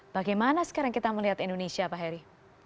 bagaimana sekarang kita melihat indonesia pak heri